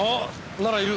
ならいる。